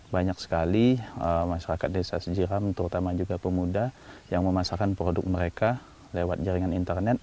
banyak sekali masyarakat desa sejiram terutama juga pemuda yang memasarkan produk mereka lewat jaringan internet